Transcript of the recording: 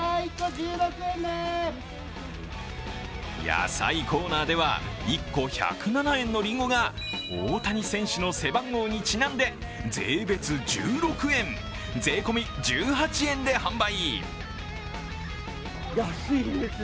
野菜コーナーでは、１個１０７円のりんごが大谷選手の背番号にちなんで税別１６円、税込み１８円で販売。